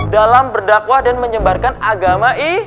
dalam berdakwah dan menyebarkan agama i